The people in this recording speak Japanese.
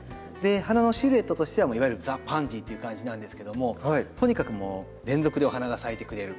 花のシルエットとしてはいわゆるザパンジーという感じなんですけどもとにかくもう連続でお花が咲いてくれる。